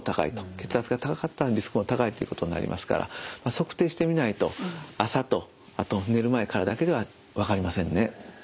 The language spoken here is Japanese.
血圧が高かったらリスクも高いということになりますから測定してみないと朝とあと寝る前からだけでは分かりませんね。